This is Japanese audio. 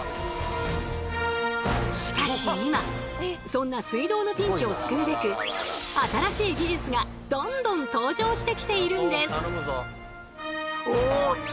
しかし今そんな水道のピンチを救うべく新しい技術がどんどん登場してきているんです。